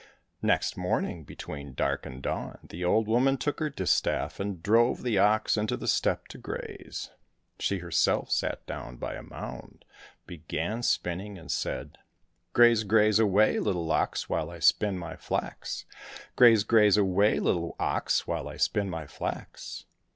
Next morning, between dark and dawn, the old woman took her distaff and drove the ox into the steppe to graze. She herself sat down by a mound, began spinning, and said, '* Graze, graze away, little ox, while I spin my flax ! Graze, graze away, little ox, while I spin my flax